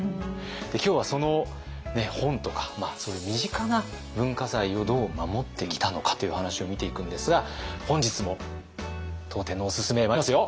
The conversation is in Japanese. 今日はその本とかそういう身近な文化財をどう守ってきたのかという話を見ていくんですが本日も当店のおすすめまいりますよ。